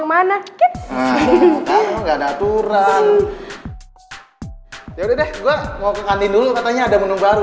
gue mau ke kandin dulu katanya ada menu baru